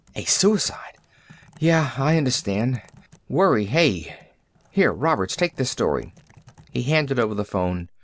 A suicide! Yeah, I understand. Worry, hey! Here, Roberts, take this story." He handed over the phone.